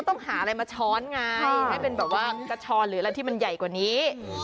ต้องหาอะไรมาช้อนงานให้ช้อนเลยหรือช้อนอะไรใหญ่กว่านี้